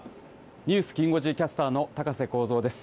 ニュースきん５時キャスターの高瀬耕造です。